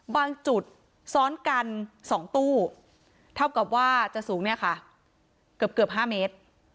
บางจุดซ้อนกัน๒ตู้เท่ากับว่าจะสูงเนี่ยค่ะเกือบ๕เมตร